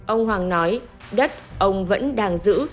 ông hoàng nói đất ông vẫn đang giữ